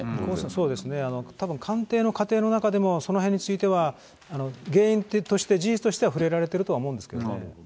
そうですね、たぶん鑑定の過程の中でもそのへんについては原因として事実としては触れられてるとは思うんですけどね。